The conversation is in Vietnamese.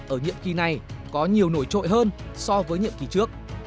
ở nhiệm kỳ này có nhiều nổi trội hơn so với nhiệm kỳ trước